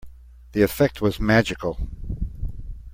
The effect was magical.